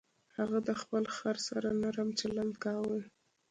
هغه د خپل خر سره نرم چلند کاوه.